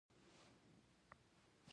د تره پاڼې د څه لپاره وکاروم؟